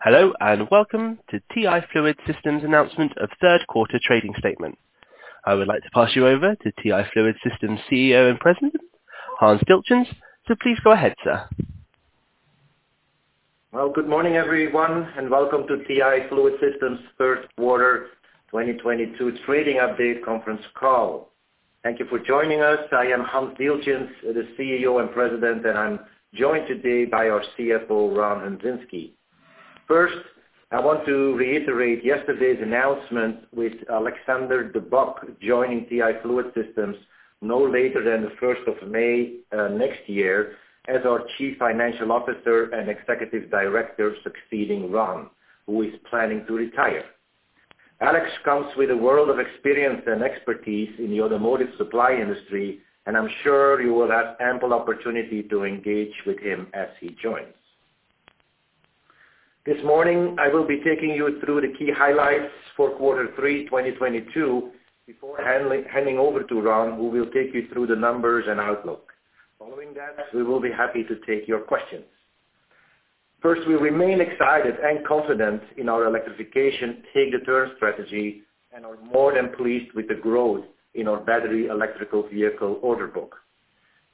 Hello, and welcome to TI Fluid Systems announcement of Q3 trading statement. I would like to pass you over to TI Fluid Systems CEO and President, Hans Dieltjens. Please go ahead, sir. Well, Good Morning, Everyone, and Welcome to TI Fluid Systems Q3 2022 trading update Conference Call. Thank you for joining us. I am Hans Dieltjens, the CEO and President, and I'm joined today by our CFO, Ron Hundzinski. First, I want to reiterate yesterday's announcement with Alexander De Bock joining TI Fluid Systems no later than the first of May, next year as our Chief Financial Officer and Executive Director succeeding Ron, who is planning to retire. Alex comes with a world of experience and expertise in the automotive supply industry, and I'm sure you will have ample opportunity to engage with him as he joins. This morning, I will be taking you through the key highlights for quarter three 2022 before heading over to Ron, who will take you through the numbers and outlook. Following that, we will be happy to take your questions. First, we remain excited and confident in our electrification Take the Turn strategy and are more than pleased with the growth in our battery electric vehicle order book.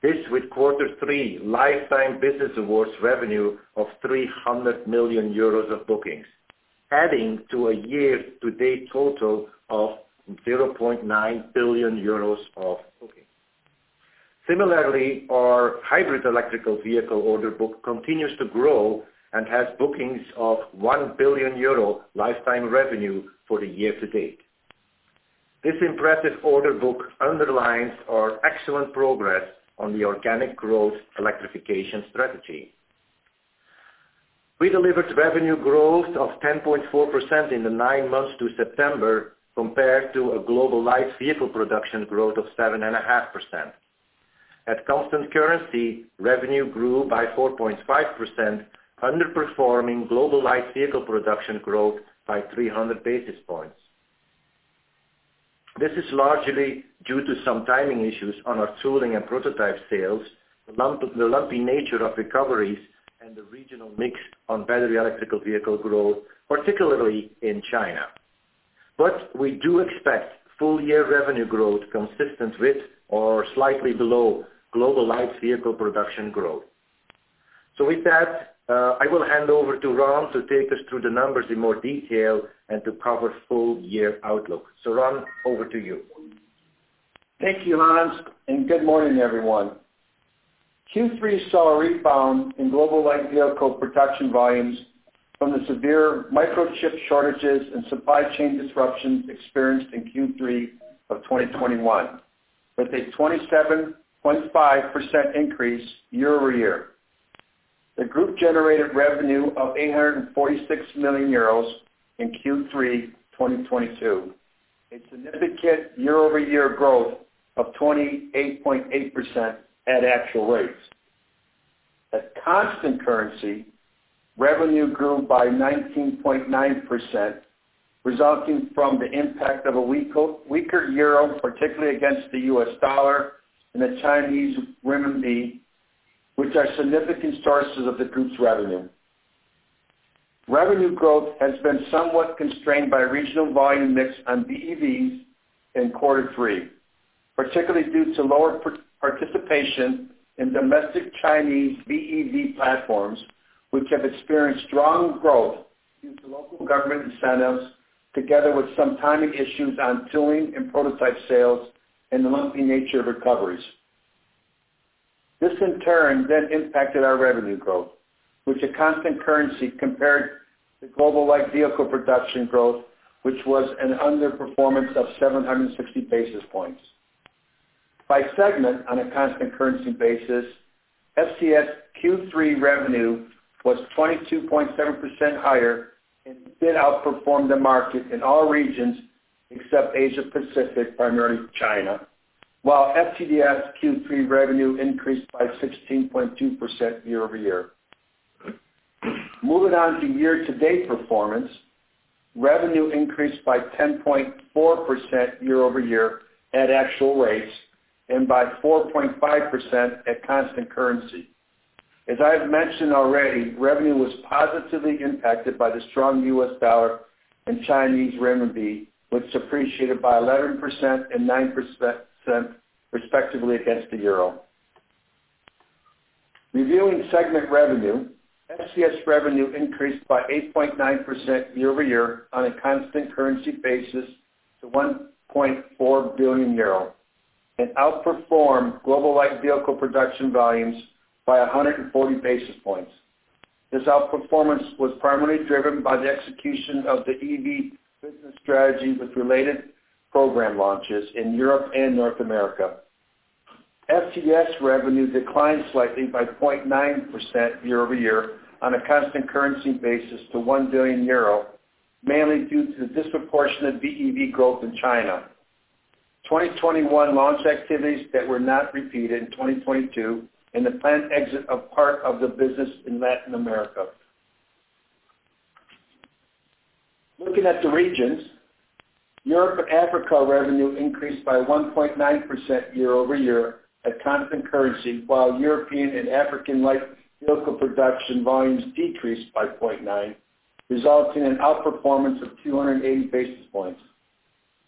This, with quarter three lifetime business awards revenue of 300 million euros of bookings, adding to a year-to-date total of 0.9 billion euros of bookings. Similarly, our hybrid electric vehicle order book continues to grow and has bookings of 1 billion euro lifetime revenue for the year-to-date. This impressive order book underlines our excellent progress on the organic growth electrification strategy. We delivered revenue growth of 10.4% in the nine months to September, compared to a global light vehicle production growth of 7.5%. At constant currency, revenue grew by 4.5%, underperforming global light vehicle production growth by 300 basis points. This is largely due to some timing issues on our tooling and prototype sales, the lumpy nature of recoveries, and the regional mix on battery electric vehicle growth, particularly in China. We do expect full-year revenue growth consistent with or slightly below global light vehicle production growth. With that, I will hand over to Ron to take us through the numbers in more detail and to cover full-year outlook. Ron, over to you. Thank you, Hans, and good morning, everyone. Q3 saw a rebound in global light vehicle production volumes from the severe microchip shortages and supply chain disruptions experienced in Q3 of 2021, with a 27.5% increase year-over-year. The group generated revenue of 846 million euros in Q3 2022, a significant year-over-year growth of 28.8% at actual rates. At constant currency, revenue grew by 19.9%, resulting from the impact of a weaker euro, particularly against the U.S. dollar and the Chinese renminbi, which are significant sources of the group's revenue. Revenue growth has been somewhat constrained by regional volume mix on BEVs in quarter three, particularly due to lower part participation in domestic Chinese BEV platforms, which have experienced strong growth due to local government incentives together with some timing issues on tooling and prototype sales and the lumpy nature of recoveries. This, in turn, then impacted our revenue growth, which at constant currency compared to global light vehicle production growth, which was an underperformance of 760 basis points. By segment, on a constant currency basis, FCS Q3 revenue was 22.7% higher and did outperform the market in all regions except Asia Pacific, primarily China, while FTDS Q3 revenue increased by 16.2% year-over-year. Moving on to year-to-date performance, revenue increased by 10.4% year-over-year at actual rates and by 4.5% at constant currency. As I have mentioned already, revenue was positively impacted by the strong U.S. dollar and Chinese renminbi, which appreciated by 11% and 9% respectively against the euro. Reviewing segment revenue, FCS revenue increased by 8.9% year-over-year on a constant currency basis to 1.4 billion euro and outperformed global light vehicle production volumes by 140 basis points. This outperformance was primarily driven by the execution of the EV business strategy with related program launches in Europe and North America. FTDS revenue declined slightly by 0.9% year-over-year on a constant currency basis to 1 billion euro, mainly due to the disproportionate BEV growth in China. 2021 launch activities that were not repeated in 2022 and the planned exit of part of the business in Latin America. Looking at the regions, Europe and Africa revenue increased by 1.9% year-over-year at constant currency, while European and African light vehicle production volumes decreased by 0.9, resulting in outperformance of 280 basis points.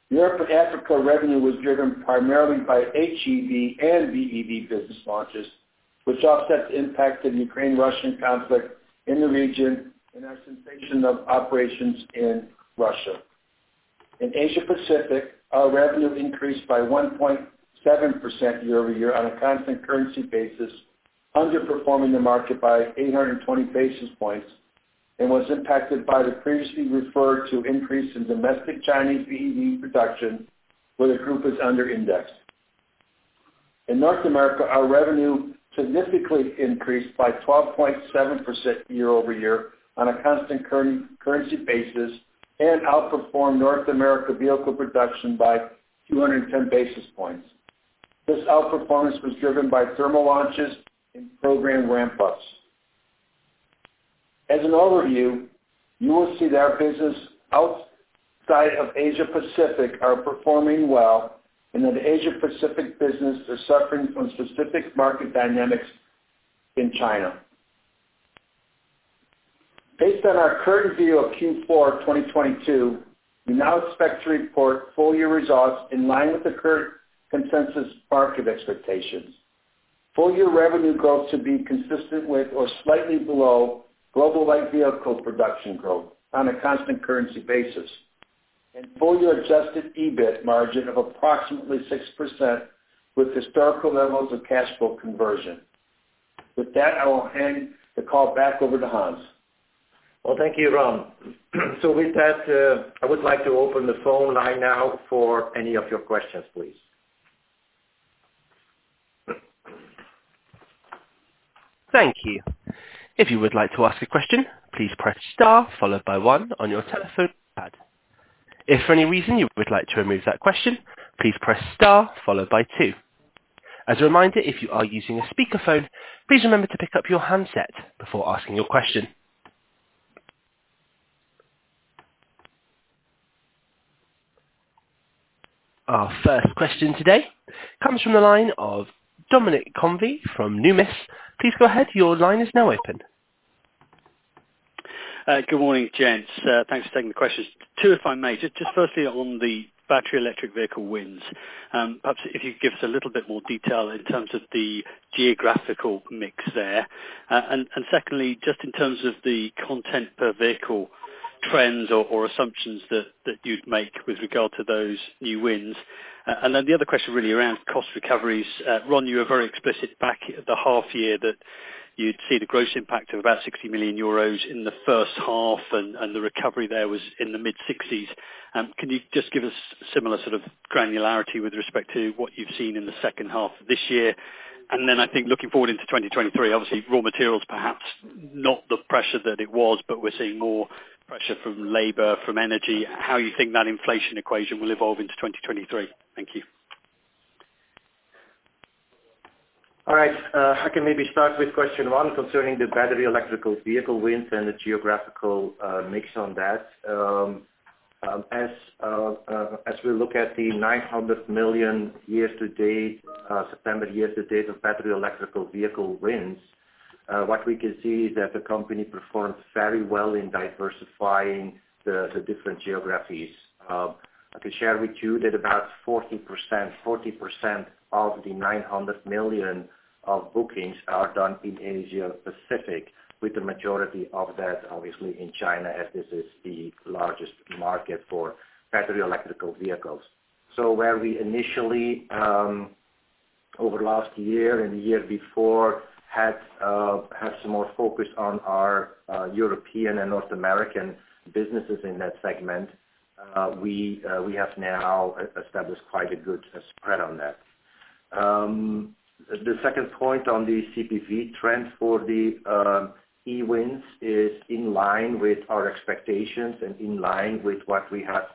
Europe and Africa revenue was driven primarily by HEV and BEV business launches, which offset the impact of the Ukraine-Russia conflict in the region and our cessation of operations in Russia. In Asia Pacific, our revenue increased by 1.7% year-over-year on a constant currency basis, underperforming the market by 820 basis points and was impacted by the previously referred to increase in domestic Chinese BEV production, where the group is under-indexed. In North America, our revenue significantly increased by 12.7% year-over-year on a constant currency basis and outperformed North America vehicle production by 210 basis points. This outperformance was driven by thermal launches and program ramp ups. As an overview, you will see that our business outside of Asia Pacific are performing well and that Asia Pacific business is suffering from specific market dynamics in China. Based on our current view of Q4 2022, we now expect to report full-year results in line with the current consensus market expectations. Full-year revenue growth to be consistent with or slightly below global light vehicle production growth on a constant currency basis and full-year Adjusted EBIT margin of approximately 6% with historical levels of cash flow conversion. With that, I will hand the call back over to Hans. Well, thank you, Ron. With that, I would like to open the phone line now for any of your questions, please. Thank you. If you would like to ask a question, please press star followed by one on your telephone pad. If for any reason you would like to remove that question, please press star followed by two. As a reminder, if you are using a speakerphone, please remember to pick up your handset before asking your question. Our first question today comes from the line of Dominic Convie from Numis. Please go ahead. Your line is now open. Good morning, gents. Thanks for taking the questions. Two, if I may. Just firstly, on the battery electric vehicle wins, perhaps if you could give us a little bit more detail in terms of the geographical mix there. Secondly, just in terms of the content per vehicle trends or assumptions that you'd make with regard to those new wins. Then the other question really around cost recoveries. Ron, you were very explicit back at the half year that you'd see the gross impact of about 60 million euros in the first half and the recovery there was in the mid-sixties. Can you just give us similar sort of granularity with respect to what you've seen in the second half of this year? I think looking forward into 2023, obviously raw materials, perhaps not the pressure that it was, but we're seeing more pressure from labor, from energy. How do you think that inflation equation will evolve into 2023? Thank you. All right. I can maybe start with question one concerning the battery electric vehicle wins and the geographical mix on that. As we look at the 900 million year to date September year to date of battery electric vehicle wins, what we can see is that the company performs very well in diversifying the different geographies. I can share with you that about 40% of the 900 million of bookings are done in Asia Pacific, with the majority of that obviously in China, as this is the largest market for battery electric vehicles. Where we initially over last year and the year before had some more focus on our European and North American businesses in that segment, we have now established quite a good spread on that. The second point on the CPV trends for the EV wins is in line with our expectations and in line with what we have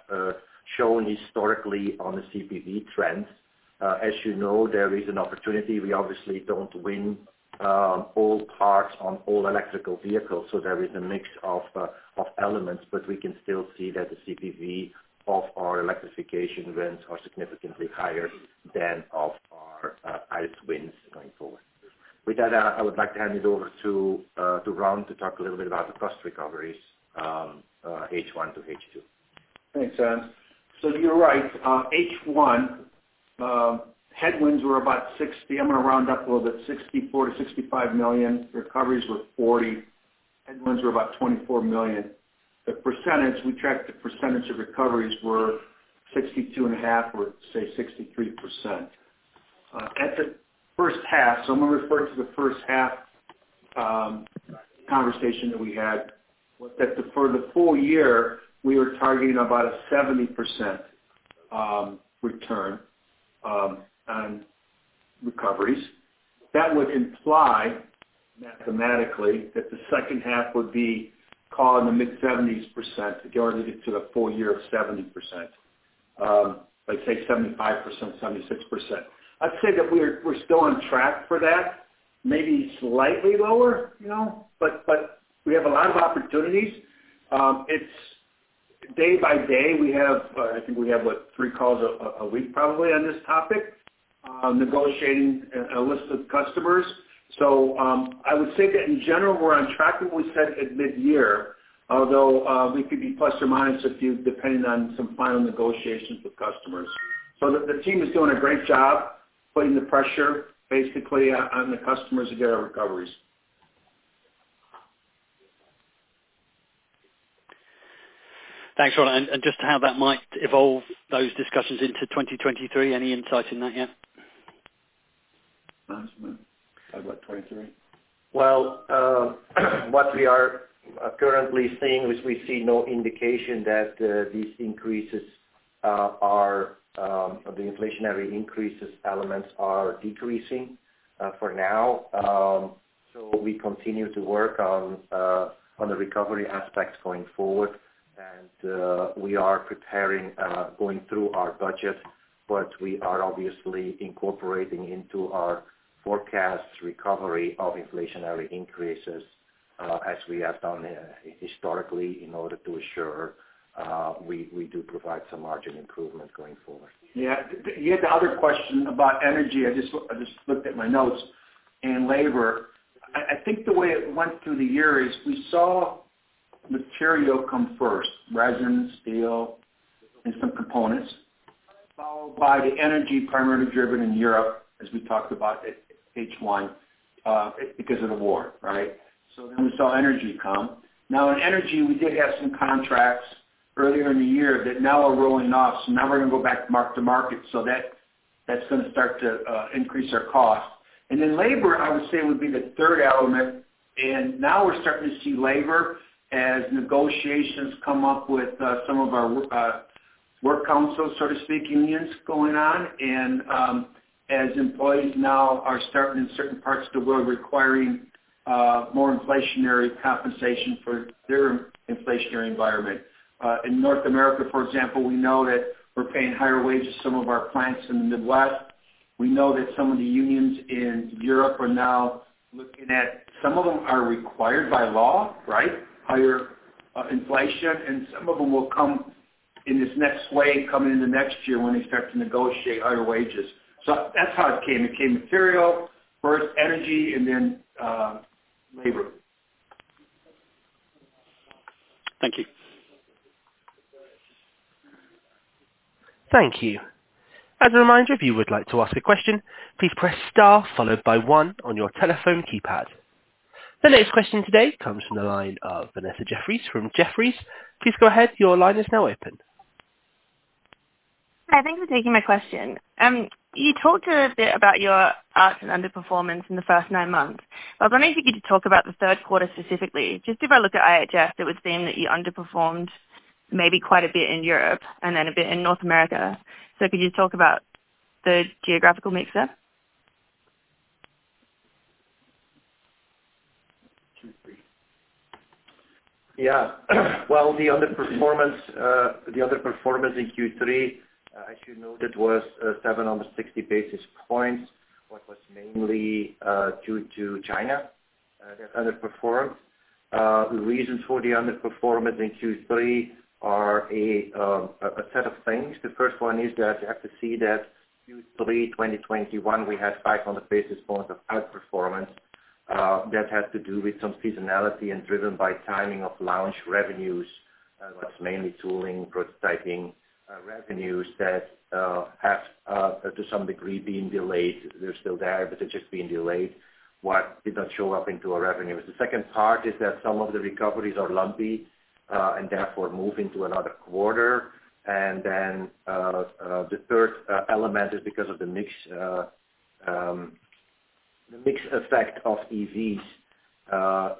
shown historically on the CPV trends. As you know, there is an opportunity. We obviously don't win all parts on all electric vehicles, so there is a mix of elements, but we can still see that the CPV of our electrification wins are significantly higher than of our ICE wins going forward. With that, I would like to hand it over to Ron to talk a little bit about the cost recoveries, H1 to H2. Thanks, Hans. You're right. H1 headwinds were about 64 million-65 million. Recoveries were 40 million. Headwinds were about 24 million. The percentage we tracked of recoveries was 62.5%, or say 63%. At the first half, I'm gonna refer to the first half conversation that we had. For the full year, we were targeting about a 70% return on recoveries. That would imply mathematically that the second half would be, call it in the mid-70% related to the full year of 70%. Let's say 75%, 76%. I'd say that we're still on track for that, maybe slightly lower, you know, but we have a lot of opportunities. It's day by day. I think we have what three calls a week probably on this topic, negotiating a list of customers. I would say that in general, we're on track with what we said at midyear, although we could be plus or minus a few depending on some final negotiations with customers. The team is doing a great job putting the pressure basically on the customers to get our recoveries. Thanks, Ron. And just how that might evolve those discussions into 2023, any insight in that yet? Hans, man. How about 2023? Well, what we are currently seeing is we see no indication that these increases are or the inflationary increases elements are decreasing for now. We continue to work on the recovery aspects going forward. We are preparing going through our budget, but we are obviously incorporating into our forecast recovery of inflationary increases as we have done historically in order to assure we do provide some margin improvement going forward. Yeah. The other question about energy, I just looked at my notes, and labor. I think the way it went through the year is we saw material come first, resin, steel, and some components, followed by the energy primarily driven in Europe, as we talked about at H1, because of the war, right? We saw energy come. Now in energy, we did have some contracts earlier in the year that now are rolling off, so now we're gonna go back to mark-to-market, so that's gonna start to increase our cost. Labor, I would say, would be the third element. Now we're starting to see labor as negotiations come up with some of our work councils, so to speak, unions going on. Employees now are starting in certain parts of the world requiring more inflationary compensation for their inflationary environment. In North America, for example, we know that we're paying higher wages to some of our plants in the Midwest. We know that some of the unions in Europe are now looking at some of them are required by law, right? Higher inflation, and some of them will come in this next wave coming in the next year when they start to negotiate higher wages. That's how it came. It came material first, energy, and then labor. Thank you. Thank you. As a reminder, if you would like to ask a question, please press star followed by one on your telephone keypad. The next question today comes from the line of Vanessa Jeffriess from Jefferies. Please go ahead. Your line is now open. Hi. Thank you for taking my question. You talked a bit about your ups and underperformance in the first nine months. I was wondering if you could talk about the Q3 specifically. Just if I look at IHS, it would seem that you underperformed maybe quite a bit in Europe and then a bit in North America. Could you talk about the geographical mix there? Well, the underperformance in Q3, as you noted, was 70 basis points. It was mainly due to China that underperformed. The reasons for the underperformance in Q3 are a set of things. The first one is that you have to see that Q3 2021, we had 50 basis points of outperformance. That had to do with some seasonality and driven by timing of launch revenues, what's mainly tooling, prototyping, revenues that have to some degree been delayed. They're still there, but they're just being delayed, which did not show up in our revenues. The second part is that some of the recoveries are lumpy and therefore move into another quarter. The third element is because of the mix effect of EVs that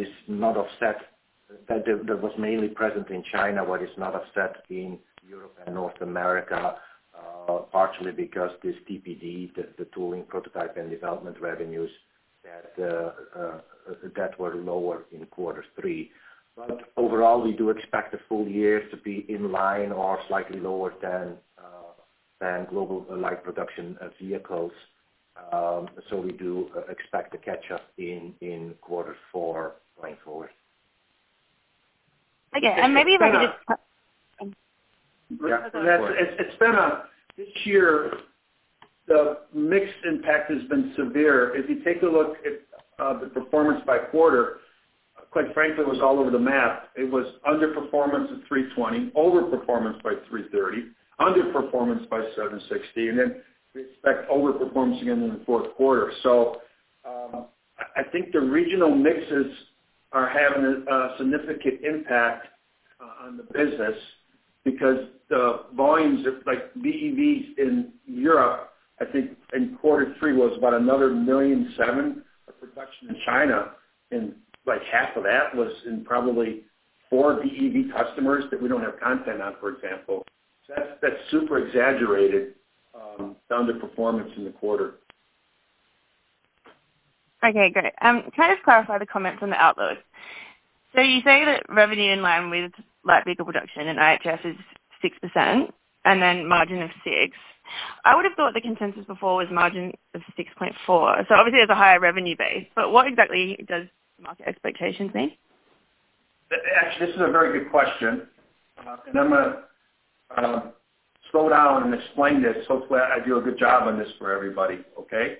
is not offset. That was mainly present in China, which is not offset in Europe and North America, partially because this TPD, the tooling prototype and development revenues that were lower in Q3. Overall, we expect the full year to be in line or slightly lower than global light vehicle production. We expect to catch up in Q4 going forward. Okay. Maybe if I could just- Yeah. It's been. This year, the mix impact has been severe. If you take a look at the performance by quarter, quite frankly, it was all over the map. It was underperformance at 320, overperformance by 330, underperformance by 760, and then we expect overperformance again in the Q4. I think the regional mixes are having a significant impact on the business because the volumes of like BEVs in Europe, I think in Q3, was about another 1.7 million of production in China, and like half of that was in probably 4 BEV customers that we don't have content on, for example. That's super exaggerated, the underperformance in the quarter. Okay, great. Can I just clarify the comments on the outlook? You say that revenue in line with light vehicle production and IHS is 6% and then margin of 6%. I would have thought the consensus before was margin of 6.4%. Obviously there's a higher revenue base, but what exactly does market expectations mean? Actually, this is a very good question. I'm gonna slow down and explain this. Hopefully, I do a good job on this for everybody, okay?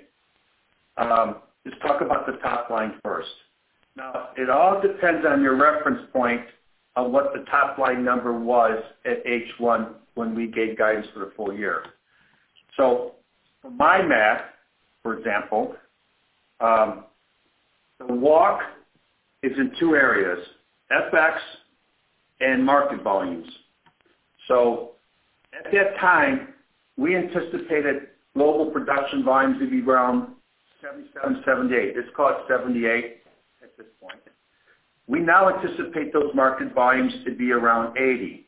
Let's talk about the top line first. Now, it all depends on your reference point of what the top line number was at H1 when we gave guidance for the full year. My math, for example, the walk is in two areas, FX and market volumes. At that time, we anticipated global production volumes to be around 77, 78. Let's call it 78 at this point. We now anticipate those market volumes to be around 80.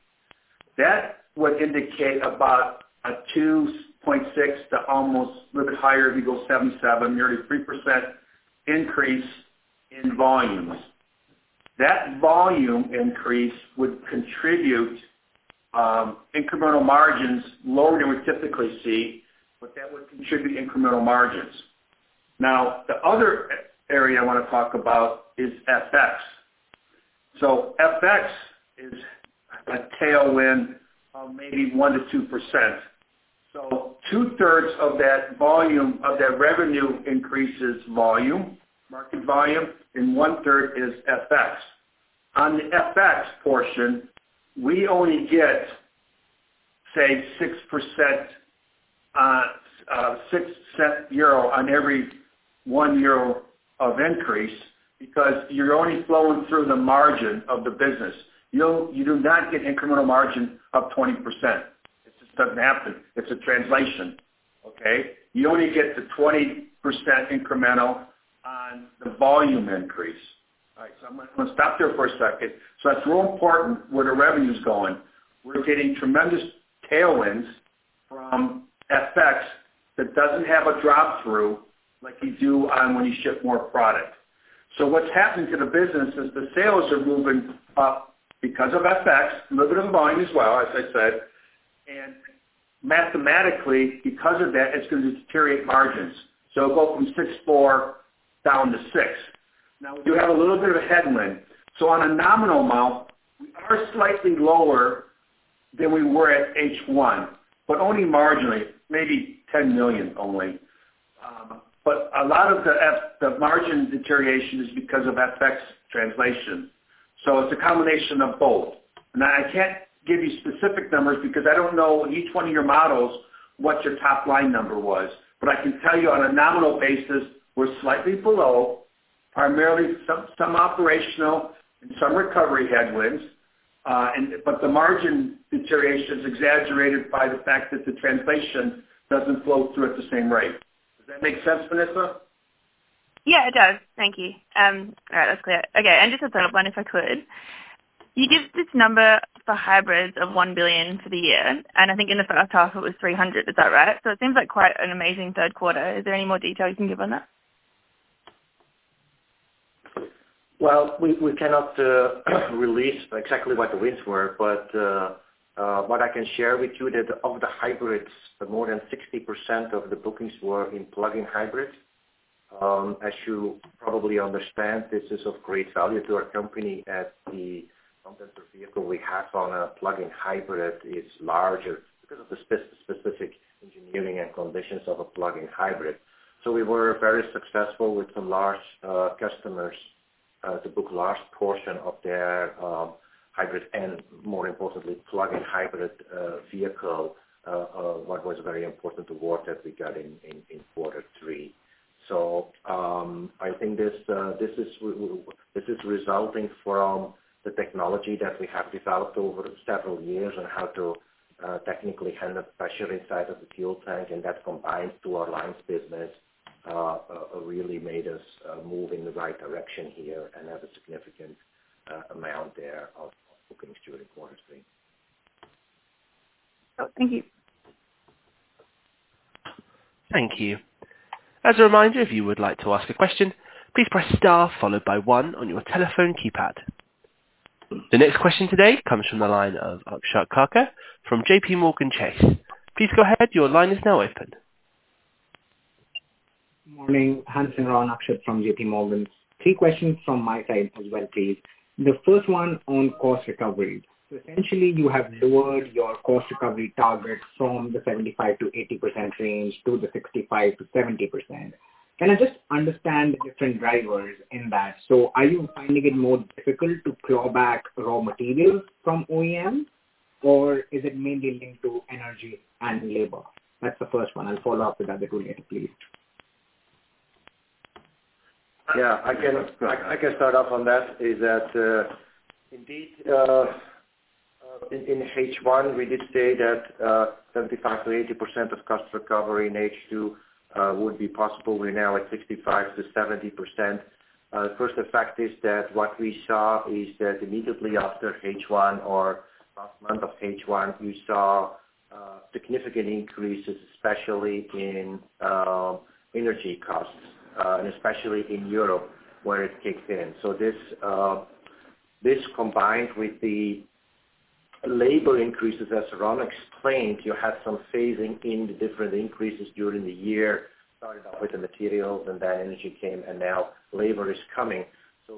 That would indicate about a 2.6 to almost a little bit higher if you go 77, nearly 3% increase in volumes. That volume increase would contribute, incremental margins lower than we typically see, but that would contribute incremental margins. Now, the other area I wanna talk about is FX. FX is a tailwind of maybe 1%-2%. Two-thirds of that volume, of that revenue increase is volume, market volume, and one-third is FX. On the FX portion, we only get, say, 6%, 0.6 on every 1 euro of increase because you're only flowing through the margin of the business. You don't, you do not get incremental margin of 20%. It just doesn't happen. It's a translation, okay? You only get the 20% incremental on the volume increase. All right, I'm gonna stop there for a second. That's real important where the revenue's going. We're getting tremendous tailwinds from FX that doesn't have a drop through like you do on when you ship more product. What's happened to the business is the sales are moving up because of FX, a little bit of volume as well, as I said, and mathematically, because of that, it's gonna deteriorate margins. It'll go from 6.4% down to 6%. Now you have a little bit of a headwind. On a nominal amount, we are slightly lower than we were at H1, but only marginally, maybe 10 million only. A lot of the margin deterioration is because of FX translation. It's a combination of both. Now, I can't give you specific numbers because I don't know each one of your models, what your top line number was. I can tell you on a nominal basis, we're slightly below, primarily some operational and some recovery headwinds, but the margin deterioration is exaggerated by the fact that the translation doesn't flow through at the same rate. Does that make sense, Vanessa? Yeah, it does. Thank you. All right, that's clear. Okay, just a third one, if I could. You give this number for hybrids of 1 billion for the year, and I think in the first half it was 300. Is that right? It seems like quite an amazing Q3. Is there any more detail you can give on that? Well, we cannot release exactly what the wins were, but what I can share with you that of the hybrids, more than 60% of the bookings were in plug-in hybrids. As you probably understand, this is of great value to our company as the content per vehicle we have on a plug-in hybrid is larger because of the specific engineering and conditions of a plug-in hybrid. We were very successful with some large customers to book large portion of their hybrid and more importantly, plug-in hybrid vehicle what was very important to work that we got in Q3. I think this is resulting from the technology that we have developed over several years on how to technically handle pressure inside of the fuel tank, and that combined to our lines business really made us move in the right direction here and have a significant amount there of bookings during Q3. Oh, thank you. Thank you. As a reminder, if you would like to ask a question, please press star followed by one on your telephone keypad. The next question today comes from the line of Akshat Khandelwal from JPMorgan Chase. Please go ahead. Your line is now open. Morning. Akshat Khandelwal from JPMorgan Chase. Three questions from my side as well, please. The first one on cost recovery. Essentially you have lowered your cost recovery target from the 75%-80% range to the 65%-70%. Can I just understand the different drivers in that? Are you finding it more difficult to claw back raw materials from OEM or is it mainly linked to energy and labor? That's the first one. I'll follow up with the other two later, please. I can start off on that. Indeed, in H1 we did say that 75%-80% of cost recovery in H2 would be possible. We're now at 65%-70%. First effect is that what we saw is that immediately after H1 or last month of H1, we saw significant increases, especially in energy costs, and especially in Europe where it kicks in. This combined with the labor increases, as Ron explained, you had some phasing in the different increases during the year. Started off with the materials and then energy came, and now labor is coming.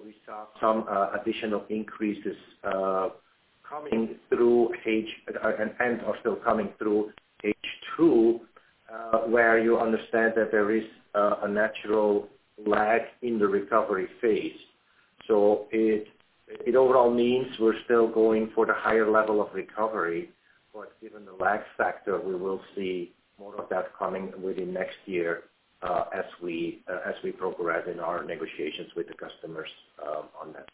We saw some additional increases coming through H2, and are still coming through H2, where you understand that there is a natural lag in the recovery phase. It overall means we're still going for the higher level of recovery, but given the lag factor, we will see more of that coming within next year, as we progress in our negotiations with the customers, on that.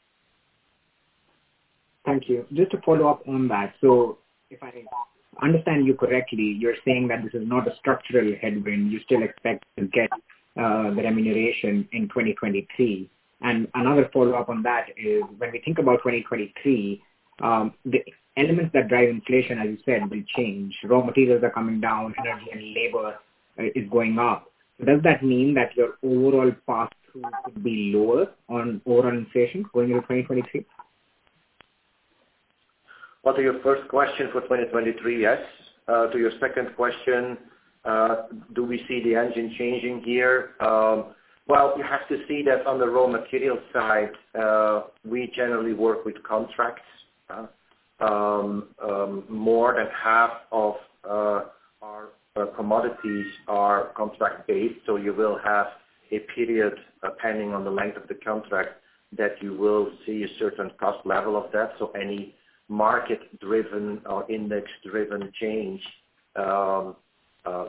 Thank you. Just to follow up on that. If I understand you correctly, you're saying that this is not a structural headwind, you still expect to get the remuneration in 2023. Another follow-up on that is when we think about 2023, the elements that drive inflation, as you said, will change. Raw materials are coming down, energy and labor is going up. Does that mean that your overall pass through should be lower on overall inflation going into 2023? What are your first question for 2023? Yes. To your second question, do we see the engine changing gear? Well, you have to see that on the raw material side, we generally work with contracts. More than half of our commodities are contract-based, so you will have a period, depending on the length of the contract, that you will see a certain cost level of that. Any market-driven or index-driven change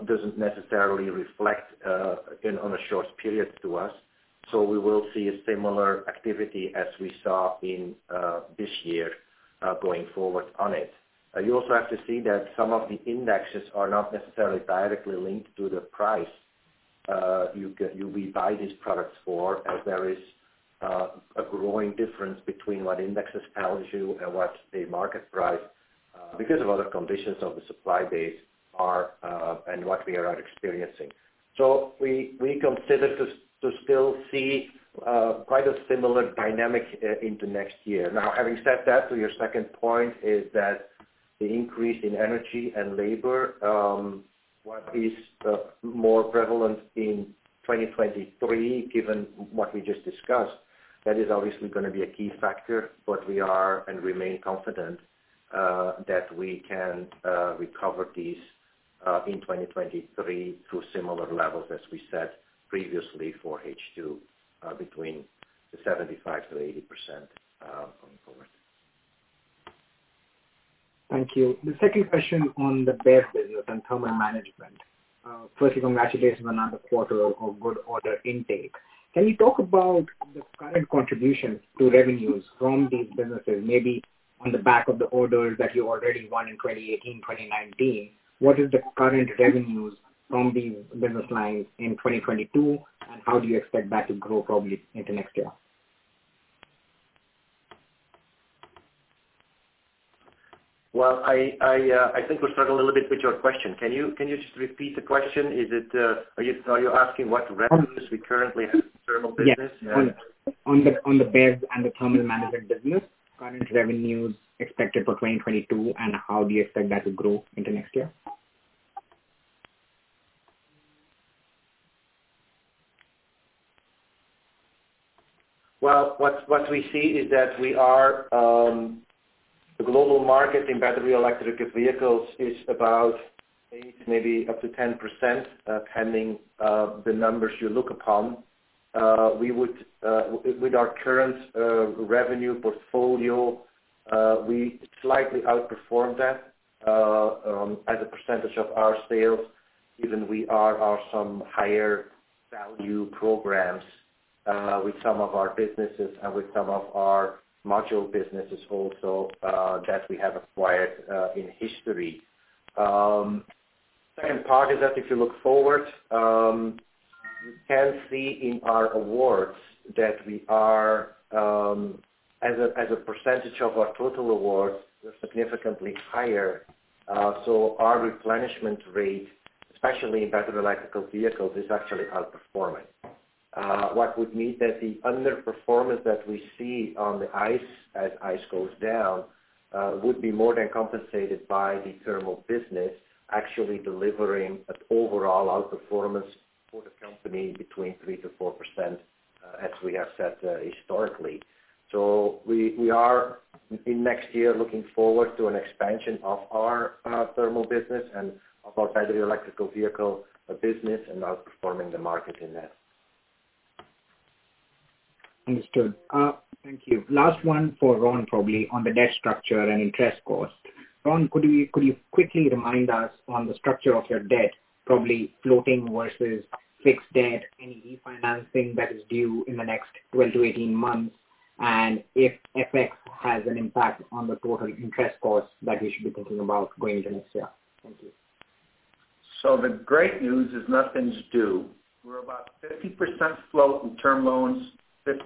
doesn't necessarily reflect in on a short period to us. We will see a similar activity as we saw in this year going forward on it. You also have to see that some of the indexes are not necessarily directly linked to the price. We buy these products for as there is a growing difference between what indexes tells you and what the market price because of other conditions of the supply base are and what we are experiencing. We consider to still see quite a similar dynamic into next year. Now, having said that, to your second point is that the increase in energy and labor what is more prevalent in 2023, given what we just discussed, that is obviously gonna be a key factor. We are and remain confident that we can recover these in 2023 to similar levels as we said previously for H2 between 75%-80% going forward. Thank you. The second question on the BEV business and thermal management. First, congratulations on another quarter of good order intake. Can you talk about the current contributions to revenues from these businesses, maybe on the back of the orders that you already won in 2018, 2019? What is the current revenues from these business lines in 2022, and how do you expect that to grow probably into next year? Well, I think we struggled a little bit with your question. Can you just repeat the question? Is it? Are you asking what revenues we currently have in thermal business? Yes. On the BEV and the thermal management business, current revenues expected for 2022, and how do you expect that to grow into next year? Well, what we see is that the global market in battery electric vehicles is about eight, maybe up to 10%, depending on the numbers you look at. With our current revenue portfolio, we slightly outperformed that as a percentage of our sales, given we have some higher value programs with some of our businesses and with some of our module businesses also that we have acquired in history. Second part is that if you look forward, you can see in our awards that we are as a percentage of our total awards, we're significantly higher. Our replenishment rate, especially in battery electric vehicles, is actually outperforming. What would mean that the underperformance that we see on the ICE as ICE goes down would be more than compensated by the thermal business actually delivering an overall outperformance for the company between 3%-4%, as we have set, historically. We are in next year looking forward to an expansion of our thermal business and of our battery electric vehicle business and outperforming the market in that. Understood. Thank you. Last one for Ron, probably on the debt structure and interest cost. Ron, could you quickly remind us on the structure of your debt, probably floating versus fixed debt, any refinancing that is due in the next 12-18 months, and if FX has an impact on the total interest cost that we should be thinking about going into next year? Thank you. The great news is nothing's due. We're about 50% float in term loans, 50%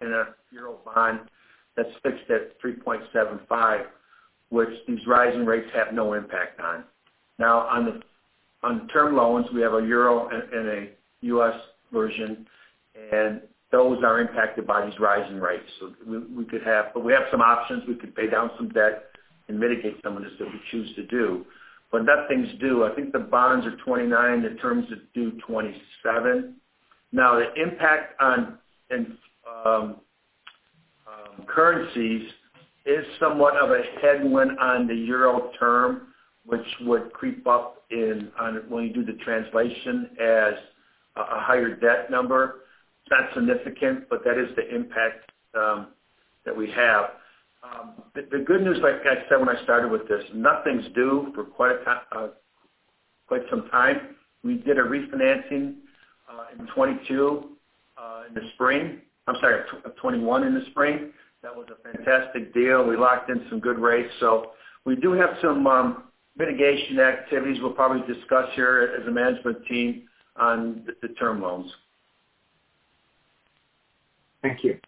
in a Eurobond that's fixed at 3.75%, which these rising rates have no impact on. Now on term loans, we have a euro and a U.S. version, and those are impacted by these rising rates. We could have some options. We could pay down some debt and mitigate some of this if we choose to do, but nothing's due. I think the bonds are 2029. The terms are due 2027. Now, the impact on currencies is somewhat of a headwind on the euro term, which would creep up in when you do the translation as a higher debt number. It's not significant, but that is the impact that we have. The good news, like Pat said when I started with this, nothing's due for quite some time. We did a refinancing in 2022, I'm sorry, 2021 in the spring. That was a fantastic deal. We locked in some good rates. We do have some mitigation activities we'll probably discuss here as a management team on the term loans. Thank you.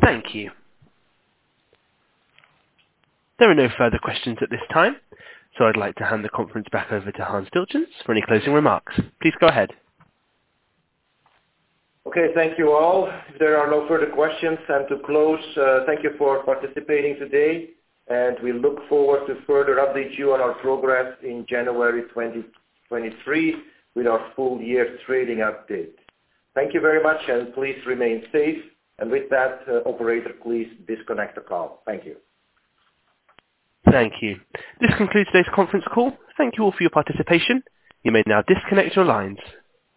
Thank you. There are no further questions at this time, so I'd like to hand the conference back over to Hans Dieltjens for any closing remarks. Please go ahead. Okay, thank you all. If there are no further questions, and to close, thank you for participating today, and we look forward to further update you on our progress in January 2023 with our full year trading update. Thank you very much, and please remain safe. With that, operator, please disconnect the call. Thank you. Thank you. This concludes today's conference call. Thank you all for your participation. You may now disconnect your lines.